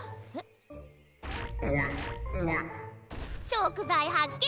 食材発見。